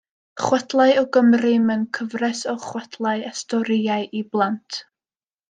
Chwedlau o Gymru, mewn cyfres o chwedlau a storïau i blant.